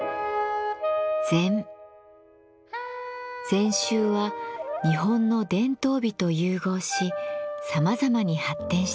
禅宗は日本の伝統美と融合しさまざまに発展してきました。